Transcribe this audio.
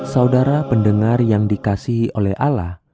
saudara pendengar yang dikasih oleh ala